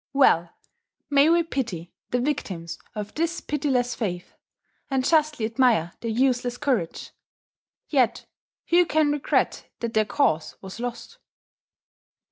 Well may we pity the victims of this pitiless faith, and justly admire their useless courage: yet who can regret that their cause was lost?